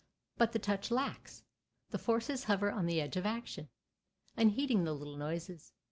But the touch lacks. The forces hover on the edge of action, unheeding the little noises.